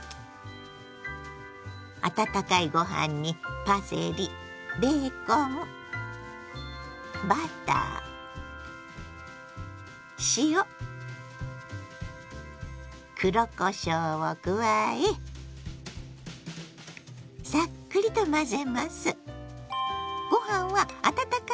温かいご飯にパセリベーコンバター塩黒こしょうを加えサックリと混ぜます。